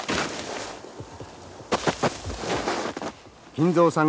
金蔵さん